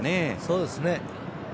そうですね。